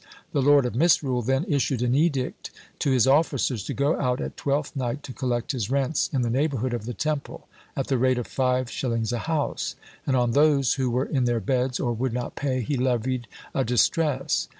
The Lord of Misrule then issued an edict to his officers to go out at Twelfth night to collect his rents in the neighbourhood of the Temple, at the rate of five shillings a house; and on those who were in their beds, or would not pay, he levied a distress.